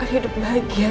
eh yaudahningsih ya